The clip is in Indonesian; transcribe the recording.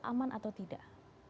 aman atau tidak